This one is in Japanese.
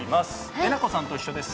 えなこさんと一緒です。